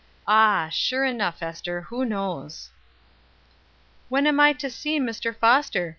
Ah! sure enough, Ester, who knows?" "When am I to see Mr. Foster?"